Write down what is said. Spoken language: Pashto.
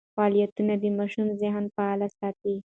فعالیتونه د ماشوم ذهن فعال ساتي.